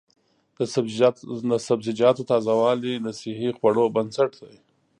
د سبزیجاتو تازه والي د صحي خوړو بنسټ دی.